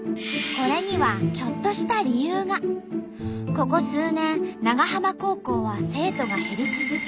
ここ数年長浜高校は生徒が減り続け